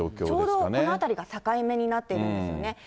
ちょうどこの辺りが境目になっているんですよね。